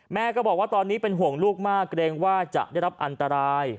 แม่ก็บอกว่าตอนนี้เป็นห่วงลูกมากเกรงว่าจะได้รับอันตราย